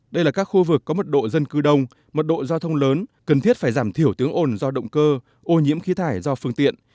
đây là các khu vực có mật độ dân cư đông mật độ giao thông lớn cần thiết phải giảm thiểu tiếng ồn do động cơ ô nhiễm khí thải do phương tiện